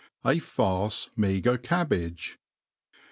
A Farce meagre Cabbage.